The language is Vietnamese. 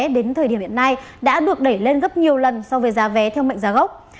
đến thời điểm hiện nay đã được đẩy lên gấp nhiều lần so với giá vé theo mệnh giá gốc